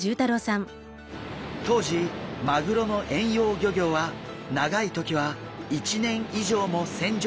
当時マグロの遠洋漁業は長い時は１年以上も船上生活が続きました。